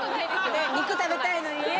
肉食べたいのにね。